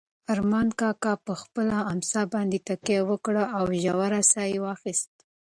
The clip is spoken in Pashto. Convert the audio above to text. ارمان کاکا په خپله امسا باندې تکیه وکړه او ژوره ساه یې واخیسته.